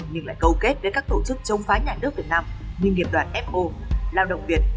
nhưng lại câu kết với các tổ chức chống phá nhà nước việt nam như nghiệp đoàn fo lao động việt